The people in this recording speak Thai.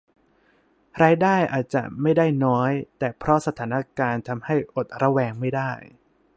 รายได้อาจจะไม่ได้น้อย แต่เพราะสถานการณ์ทำให้อดระแวงไม่ได้